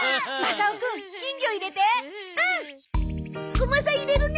コマサ入れるね。